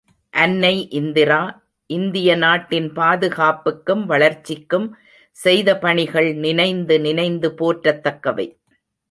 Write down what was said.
அன்னை இந்திரா, இந்திய நாட்டின் பாதுகாப்புக்கும் வளர்ச்சிக்கும் செய்த பணிகள் நினைந்து நினைந்து போற்றத்தக்கவை.